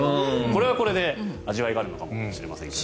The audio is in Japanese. これはこれで味わいがあるのかもしれませんが。